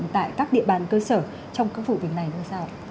tại các địa bàn cơ sở trong các vụ việc này như sao